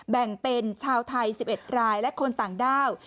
แบ่งเป็นชาวไทย๑๑รายและคนต่างด้าว